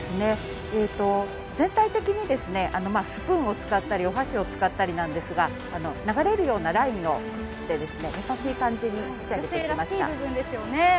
全体的にスプーンやお箸を使ったりなんですが、流れるようなラインをして優しい感じに仕上げてみました。